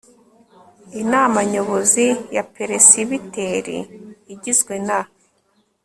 inama nyobozi ya peresibiteri igizwe na